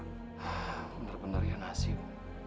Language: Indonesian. bener bener ya nasib